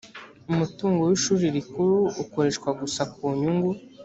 umutungo wa ishuri rikuru ukoreshwa gusa ku nyungu